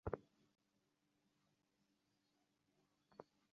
আপনার সন্তান নেই?